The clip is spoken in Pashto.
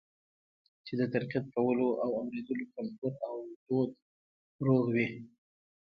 چې د تنقيد کولو او اورېدلو کلتور او دود روغ وي